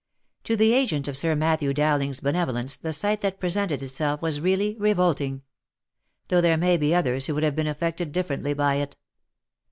To the agent of Sir Matthew Dowling's benevolence the sight that presented itself was really revolting; though there may be others who would have been affected differently by it.